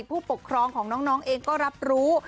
ผู้ปกครองของน้องเองก็รับรู้